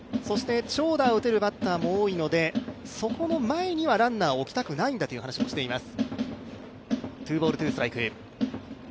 長打を打てるバッターも多いのでそこの前にはランナーを置きたくないんだという話もしています。